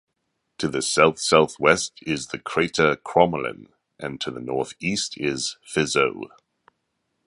To the south-southwest is the crater Crommelin, and to the northeast is Fizeau.